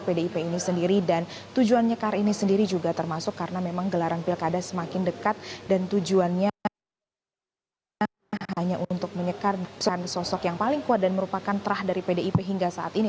pdip ini sendiri dan tujuan nyekar ini sendiri juga termasuk karena memang gelaran pilkada semakin dekat dan tujuannya hanya untuk menyekarkan sosok yang paling kuat dan merupakan terah dari pdip hingga saat ini